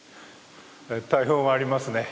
大砲がありますね。